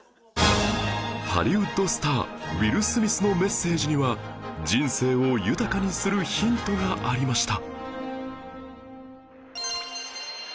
ハリウッドスターウィル・スミスのメッセージには人生を豊かにするヒントがありました